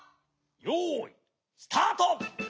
よいスタート！